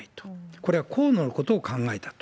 これは河野のことを考えたと。